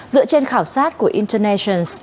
dựa trên khảo sát của international